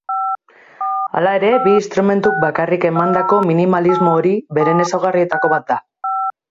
Hala ere, bi instrumentuk bakarrik emandako minimalismo hori beren ezaugarrietako bat da.